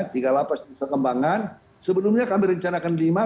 tiga lapas nusa kembangan sebelumnya kami rencanakan lima